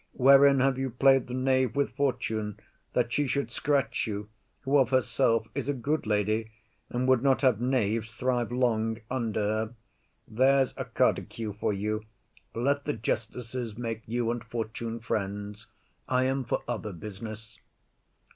Wherein have you played the knave with Fortune that she should scratch you, who of herself is a good lady, and would not have knaves thrive long under her? There's a quart d'ecu for you. Let the justices make you and Fortune friends; I am for other business.